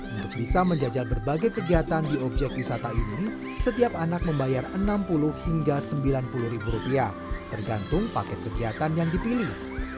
untuk bisa menjajal berbagai kegiatan di objek wisata ini setiap anak membayar enam puluh hingga sembilan puluh ribu rupiah tergantung paket kegiatan yang dipilih